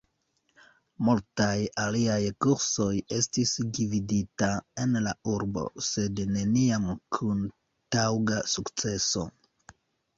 Multaj aliaj kursoj estis gvidita en la urbo, sed neniam kun taŭga sukceso.